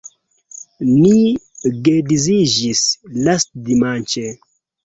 Ni geedziĝis lastdimanĉe.